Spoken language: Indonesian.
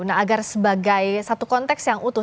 nah agar sebagai satu konteks yang utuh